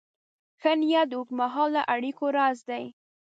ښه نیت د اوږدمهاله اړیکو راز دی.